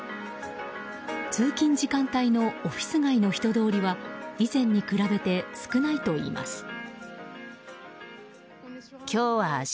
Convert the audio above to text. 通勤時間帯のオフィス街の人通りは以前に比べて少ないといいます。